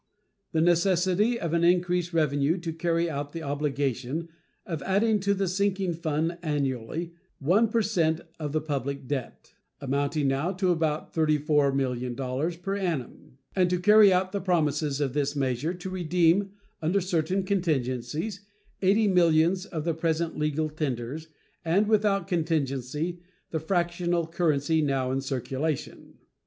The necessity of an increased revenue to carry out the obligation of adding to the sinking fund annually 1 per cent of the public debt, amounting now to about $34,000,000 per annum, and to carry out the promises of this measure to redeem, under certain contingencies, eighty millions of the present legal tenders, and, without contingency, the fractional currency now in circulation.